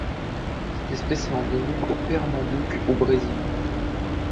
Cette espèce est endémique du Pernambouc, au Brésil.